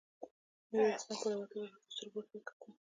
ميرويس خان په راوتلو رډو سترګو ورته کتل.